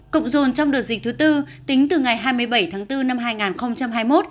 cộng dồn trong đợt dịch thứ tư tính từ ngày hai mươi bảy tháng bốn năm hai nghìn hai mươi một